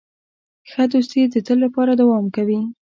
ښه دوستي د تل لپاره دوام کوي.